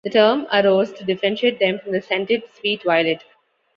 The term arose to differentiate them from the scented sweet violet.